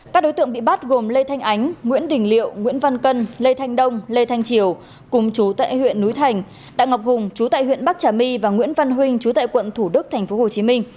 các đối tượng bị bắt gồm lê thanh ánh nguyễn đình liệu nguyễn văn cân lê thanh đông lê thanh triều cùng chú tại huyện núi thành đặng ngọc hùng chú tại huyện bắc trà my và nguyễn văn huynh chú tại quận thủ đức tp hcm